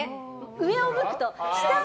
上を向くと。